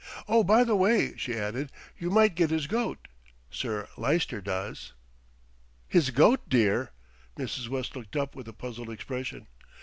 "Oh! by the way," she added, "you might get his goat; Sir Lyster does." "His goat, dear!" Mrs. West looked up with a puzzled expression.